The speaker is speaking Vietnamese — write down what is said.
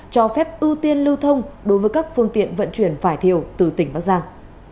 cho phép ưu tiên lưu thông đối với các phương tiện vận chuyển phải thiệu từ tỉnh bắc giang